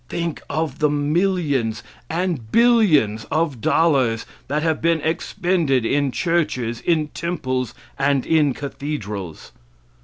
Think of the millions and billions of dollars that have been expended in churches, in temples and in cathedrals!